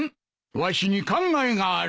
わしに考えがある。